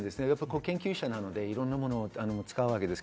研究者なので、いろんなものを使うわけですが、